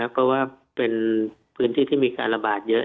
เพราะว่าเป็นพื้นที่ที่มีการระบาดเยอะ